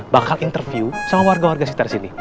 bakal interview sama warga warga sekitar sini